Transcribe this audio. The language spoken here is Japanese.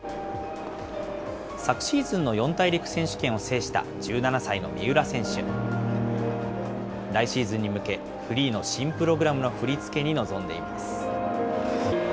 昨シーズンの四大陸選手権を制した１７歳の三浦選手。来シーズンに向け、フリーの新プログラムの振り付けに臨んでいます。